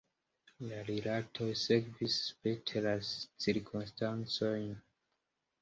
La rilatoj sekvis, spite la cirkonstancojn.